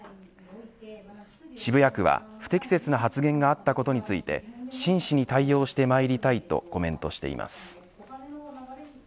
渋谷区は不適切な発言があったことについて真摯に対応してまいりたいとコメントしています。